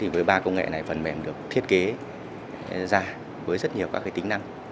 với ba công nghệ này phần mềm được thiết kế ra với rất nhiều các tính năng